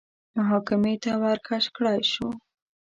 محاکمې ته ورکش کړای شو